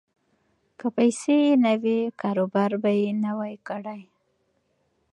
که پیسې یې نه وی، کاروبار به یې نه کړی وای.